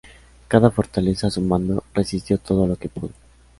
Cada fortaleza a su mando resistió todo lo que pudo.